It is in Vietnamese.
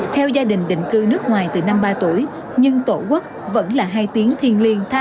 theo gia đình định cư nước ngoài từ năm ba tuổi nhưng tổ quốc vẫn là hai tiếng thiên liên